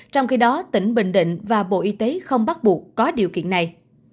trong khi đó tỉnh bình định và bộ y tế không bắt buộc có điều kiện này